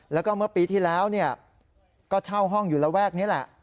แล้วก็เมื่อปีที่แล้วก็เช่าห้องอยู่ระแวกนี้แหละ